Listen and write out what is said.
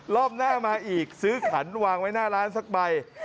รอบหน้ามาอีกซื้อขันวางไว้หน้าร้านสักใบ